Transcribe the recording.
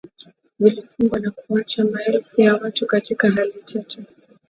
vilifungwa na kuwaacha maelfu ya watu katika hali tete